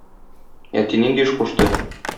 Әти нинди эш кушты?